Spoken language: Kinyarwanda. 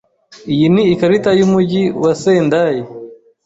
Iyi ni ikarita yumujyi wa Sendai.